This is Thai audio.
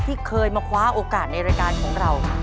ที่เคยมาคว้าโอกาสในรายการของเรา